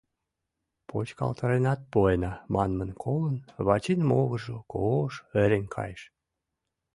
«Почкалтаренат пуэна» манмым колын, Вачин могыржо ко-ож ырен кайыш.